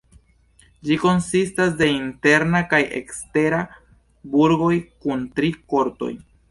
Ĝi konsistas de intera kaj ekstera burgoj kun tri kortoj.